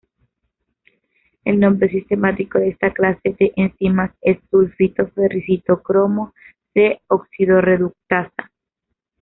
El nombre sistemático de esta clase de enzimas es: sulfito:ferricitocromo-c oxidorreductasa.